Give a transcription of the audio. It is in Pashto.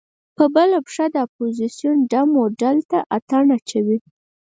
په بله پښه د اپوزیسون ډم و ډول ته اتڼ اچوي.